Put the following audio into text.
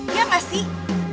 iya gak sih